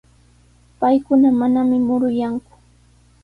Paykuna manami muruyanku.